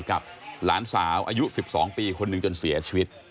กับหลานสาวอายุ๑๒ปีคนหนึ่งจนเสียชีวิต